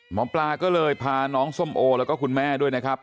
หมอปลาก็เลยพาน้องส้มโอแล้วก็คุณแม่ด้วยนะครับ